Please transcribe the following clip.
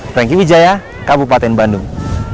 thank you wijaya kabupaten bandung